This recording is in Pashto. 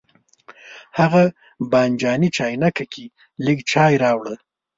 هغه بانجاني چاینکه کې لږ چای راوړه.